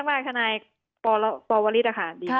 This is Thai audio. ดีมากคณะปลวลิสต์ค่ะ